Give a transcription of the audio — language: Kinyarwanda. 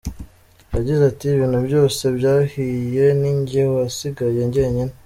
Yagize ati “Ibintu byose byahiye ni njye wasigaye njyenyine.